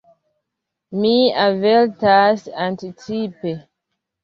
Mi avertas anticipe.